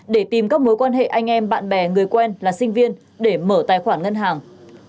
để tìm các mối quan hệ anh em bạn bè người quen là sinh viên để mở tài khoản ngân hàng